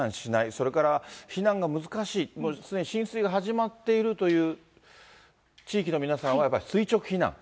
それから避難が難しい、すでに浸水が始まっているという地域の皆さんは、やっぱり垂直避難。